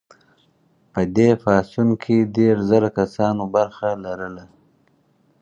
په دې پاڅون کې دیرش زره کسانو برخه لرله.